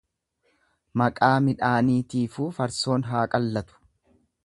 Maqaa midhaaniitiifuu farsoon haa qallatu.